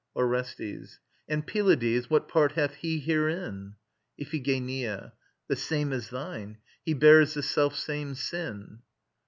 ORESTES. And Pylades what part hath he herein? IPHIGENIA. The same as thine. He bears the self same sin.